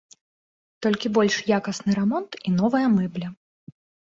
Толькі больш якасны рамонт і новая мэбля.